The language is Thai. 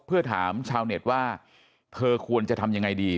เพื่อถามชาวเน็ตว่าเธอควรจะทำยังไงดี